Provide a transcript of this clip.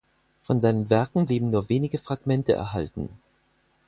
Von seinen Werken blieben nur wenige Fragmente erhalten.